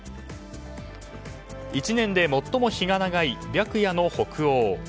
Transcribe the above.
１年で最も日が長い白夜の北欧。